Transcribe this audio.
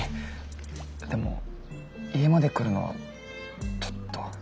でも家まで来るのはちょっと。